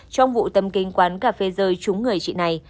trong vụ tấm kính quán cà phê rơi trúng người chị này